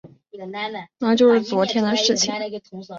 他是她的神圣医师和保护者。